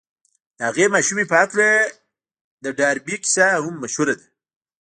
د هغې ماشومې په هکله د ډاربي کيسه هم مشهوره ده.